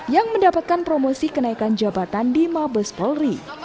yang mendapatkan promosi kenaikan jabatan di mabes polri